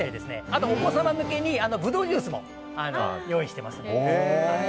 あとお子様向けにブドウジュースも用意しています。